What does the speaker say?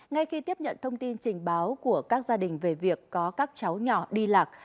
ngay khi tiếp nhận thông tin trình báo của các gia đình về việc có các cháu nhỏ đi lạc